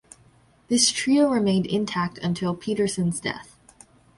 This trio remained intact until Pedersen's death.